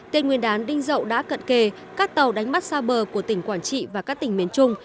tên nguyên đán đinh dậu đã cận kề các tàu đánh bắt xa bờ của tỉnh quảng trị và các tỉnh miền trung